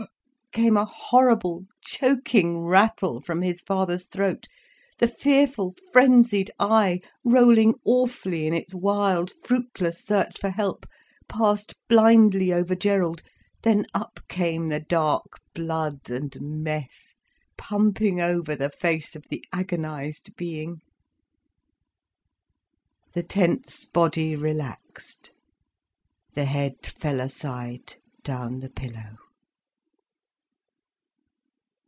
"Wha a ah h h—" came a horrible choking rattle from his father's throat, the fearful, frenzied eye, rolling awfully in its wild fruitless search for help, passed blindly over Gerald, then up came the dark blood and mess pumping over the face of the agonised being. The tense body relaxed, the head fell aside, down the pillow.